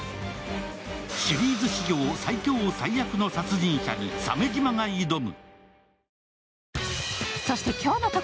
シリーズ史上最凶最悪の殺人者に鮫島が挑む。